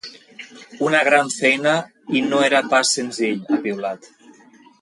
Una gran feina i no era pas senzill, ha piulat.